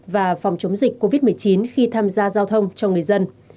và phòng chống dịch covid một mươi chín khi tham gia giao thông cho người dân